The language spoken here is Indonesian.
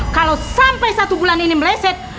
kalau sampai satu bulan ini meleset